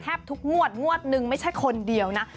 ทุกงวดงวดนึงไม่ใช่คนเดียวนะ